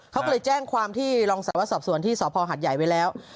เขาก็เลยแจ้งความที่รองสาวสอบสวนที่สพหัดใหญ่ไว้แล้ว